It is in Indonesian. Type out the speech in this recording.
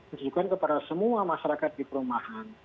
menunjukkan kepada semua masyarakat di perumahan